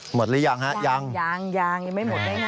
หรือยังฮะยังยังยังไม่หมดได้ไง